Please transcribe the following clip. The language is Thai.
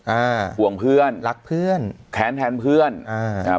อ่าห่วงเพื่อนรักเพื่อนแค้นแทนเพื่อนอ่าอ่า